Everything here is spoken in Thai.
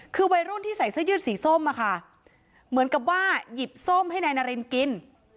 คือวัยรุ่นที่ใส่เสื้อยืดสีส้มอะค่ะเหมือนกับว่าหยิบส้มให้นายนารินกิน